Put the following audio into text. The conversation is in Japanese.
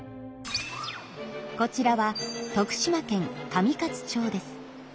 こちらは徳島県上勝町です。